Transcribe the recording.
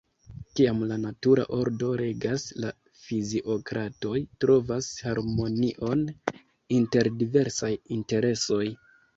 Kiam la natura ordo regas, la fiziokratoj trovas harmonion inter diversaj interesoj.